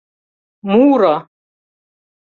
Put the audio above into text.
«Муро!